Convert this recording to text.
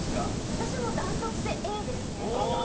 私もダントツでＡですね。